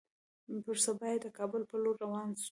پر سبا يې د کابل پر لور روان سو.